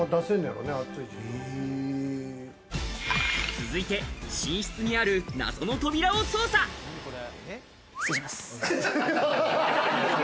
続いて、寝室にある謎の扉を失礼します。